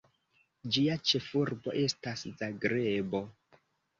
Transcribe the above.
Ĝia ĉefurbo estas Zagrebo.